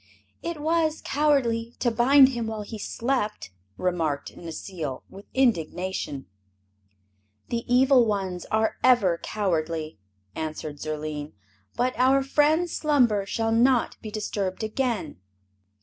"It was cowardly to bind him while he slept," remarked Necile, with indignation. "The evil ones are ever cowardly," answered Zurline, "but our friend's slumber shall not be disturbed again."